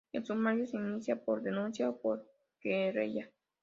El sumario se inicia por denuncia o por querella.